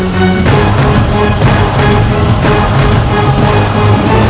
sewaktu babi baban mereka tajun